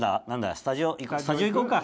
スタジオ行く？